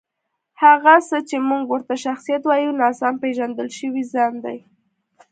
هغه څه چې موږ ورته شخصیت وایو، ناسم پېژندل شوی ځان دی.